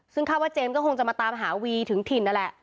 ซึ่งคาดว่าเจมส์ก็คงจะมาตามหาวีถึงถิ่นนั่นแหละ